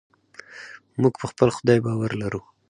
موږ په خپل خدای باور لرو.